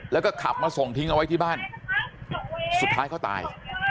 แล้วก็ขับมาส่งทิ้งเอาไว้ที่บ้านสุดท้ายเขาตาย